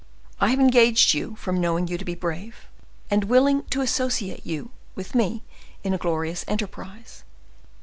I have engaged you from knowing you to be brave, and willing to associate you with me in a glorious enterprise.